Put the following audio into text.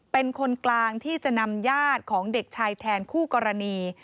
เป็นคนกลางที่จะนำญาติของเด็กชายแทนคู่กรณี